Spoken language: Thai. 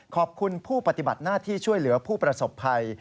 ขอบคุณผู้ปฏิบัติหน้าที่ช่วยเหลือผู้ประสบภัย